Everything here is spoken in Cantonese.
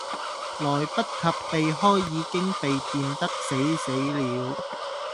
來不及避開已經被電得死死了